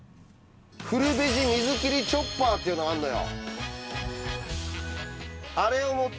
フルベジ水切りチョッパーっていうのがあるのよ。